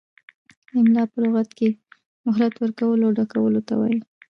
املاء په لغت کې مهلت ورکولو او ډکولو ته وايي.